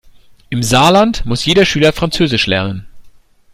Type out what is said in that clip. Im Saarland muss jeder Schüler französisch lernen.